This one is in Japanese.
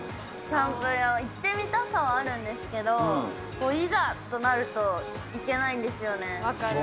キャンプ、行ってみたさはあるんですけれども、いざとなると行けないんです分かる。